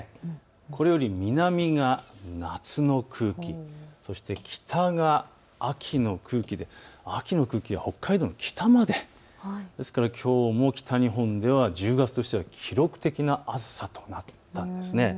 これより南が夏の空気、そして北が秋の空気で秋の空気は北海道の北まで、ですからきょうも、１０月としては記録的な暑さとなったんです。